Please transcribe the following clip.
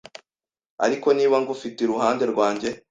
Ariko niba ngufite iruhande rwanjye